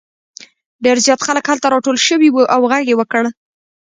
ډېر زیات خلک هلته راټول شوي وو او غږ یې وکړ.